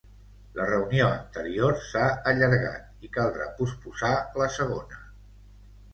La reunió anterior s'ha allargat i caldrà posposar la segona.